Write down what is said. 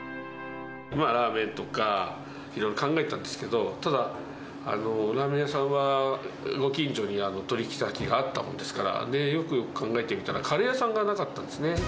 ラーメンとか、いろいろ考えたんですけど、ただ、ラーメン屋さんはご近所に取り引き先があったもんですから、よく考えてみたら、カレー屋さんがなかったんですね。